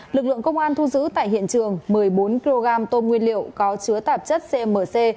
lực lượng công an thu giữ tại hiện trường một mươi bốn kg tôm nguyên liệu có chứa tạp chất cmc